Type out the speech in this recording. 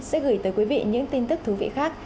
sẽ gửi tới quý vị những tin tức thú vị khác